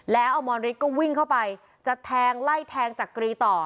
แล้วอมรฤทธิก็วิ่งเข้าไปจะแทงไล่แทงจักรีต่อ